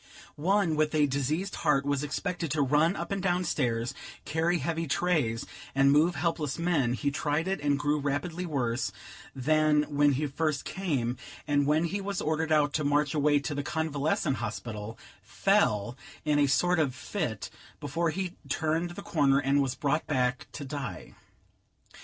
One, with a diseased heart, was expected to run up and down stairs, carry heavy trays, and move helpless men; he tried it, and grew rapidly worse than when he first came: and, when he was ordered out to march away to the convalescent hospital, fell, in a sort of fit, before he turned the corner, and was brought back to die.